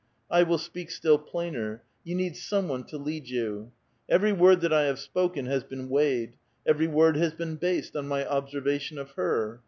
I will speak still plainer : you need some one to lead vou. Everv word that I have spoken has been weighed ; every word has been based on my observation of her.